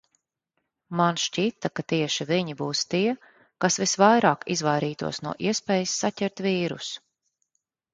Man šķita, ka tieši viņi būs tie, kas visvairāk izvairītos no iespējas saķert vīrusu.